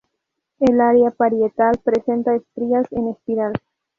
El área parietal presenta estrías en espiral.